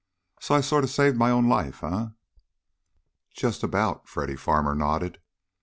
So I sort of saved my own life, eh?" "Just about," Freddy Farmer nodded.